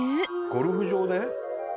ゴルフ場で？